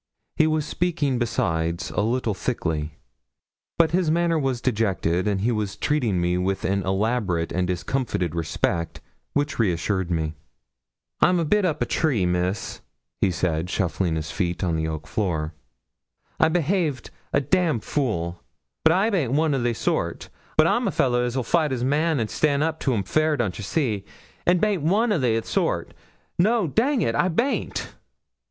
He was speaking, besides, a little thickly; but his manner was dejected, and he was treating me with an elaborate and discomfited respect which reassured me. 'I'm a bit up a tree, Miss,' he said shuffling his feet on the oak floor. 'I behaved a d fool; but I baint one o' they sort. I'm a fellah as 'ill fight his man, an' stan' up to 'm fair, don't ye see? An' baint one o' they sort no, dang it, I baint.'